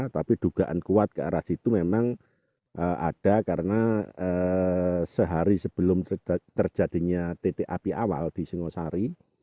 tapi dugaan kuat ke arah situ memang ada karena sehari sebelum terjadinya titik api awal di singosari